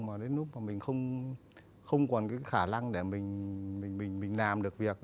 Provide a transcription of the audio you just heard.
mà đến lúc mà mình không còn cái khả năng để mình làm được việc